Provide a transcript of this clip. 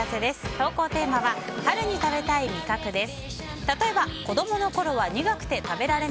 投稿テーマは春に食べたい味覚です。